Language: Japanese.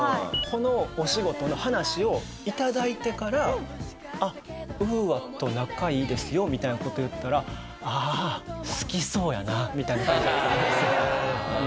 このお仕事の話を頂いてから「あっＵＡと仲いいですよ」みたいな事を言ったら「ああ好きそうやな」みたいな感じだったんですよ。